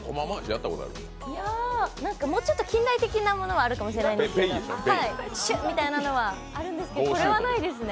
もうちょっと近代的なものはあるかもしれないんですけどシュッみたいなやつはあるんですけど、これはないですね。